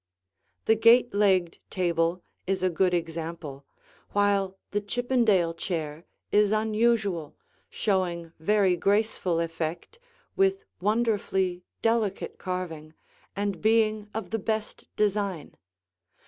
The gate legged table is a good example, while the Chippendale chair is unusual, showing very graceful effect, with wonderfully delicate carving, and being of the best design.